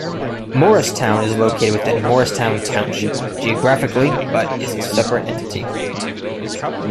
Morristown is located within Morristown Township geographically but is a separate entity.